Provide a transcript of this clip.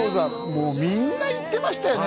もうみんな行ってましたよね